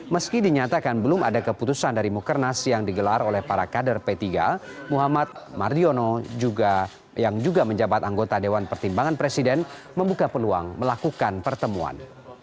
meski dinyatakan belum ada keputusan dari mukernas yang digelar oleh para kader p tiga muhammad mardiono yang juga menjabat anggota dewan pertimbangan presiden membuka peluang melakukan pertemuan